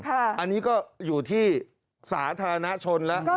อันนี้ก็อยู่ที่สาธารณชนแล้ว